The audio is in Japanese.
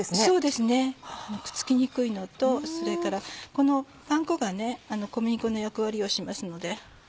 そうですねくっつきにくいのとそれからこのパン粉が小麦粉の役割をしますので。